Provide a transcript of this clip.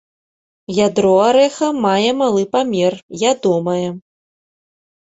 Ядро арэха мае малы памер, ядомае.